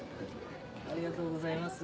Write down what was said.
ありがとうございます。